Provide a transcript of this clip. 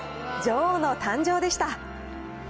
女王の誕生でした。